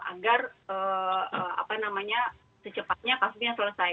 agar apa namanya secepatnya kasusnya selesai